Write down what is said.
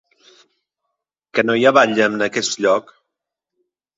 Que no hi ha batlle en aquest lloc?